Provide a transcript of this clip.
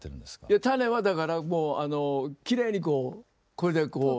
いや種はだからもうあのきれいにこうこれでこう。